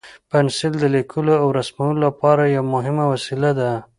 پنسل د لیکلو او رسمولو لپاره یو مهم وسیله ده.